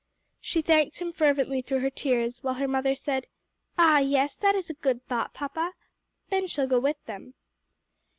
She thanked him fervently through her tears, while her mother said, "Ah yes, that is a good thought, papa! Ben shall go with them."